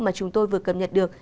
mà chúng tôi vừa cập nhật được